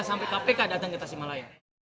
sampai kpk datang ke tasik malaya